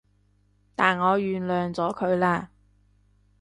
但我原諒咗佢喇